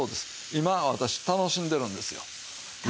今私楽しんでるんですよ。